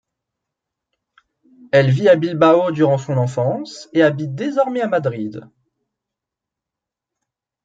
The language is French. Elle vit à Bilbao durant son enfance et habite désormais à Madrid.